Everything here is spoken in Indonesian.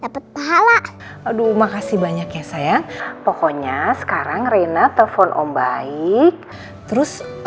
dapet pahala aduh makasih banyak ya sayang pokoknya sekarang reina telepon om baik terus